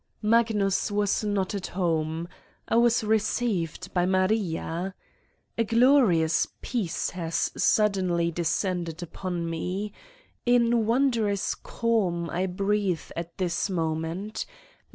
MAGNUS was not at home. I was received by Maria. A glorious peace has suddenly de scended upon me. In wondrous calm I breathe at this moment.